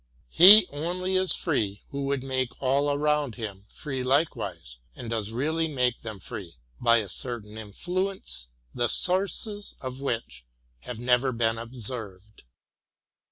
He only is free, who would make all around him free likewise, and does really make them free, by a certain influence the sources of which have never been observed.